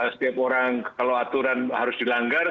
setiap orang kalau aturan harus dilanggar